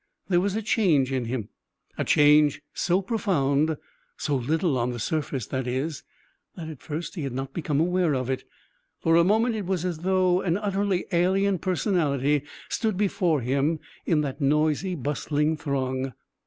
There was a change in him, a change so profound so little on the surface, that is that at first he had not become aware of it. For a moment it was as though an utterly alien personality stood before him in that noisy, bustling throng.